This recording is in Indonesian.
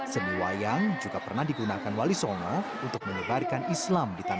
seni wayang juga pernah digunakan wali songa untuk menyebarkan edukasi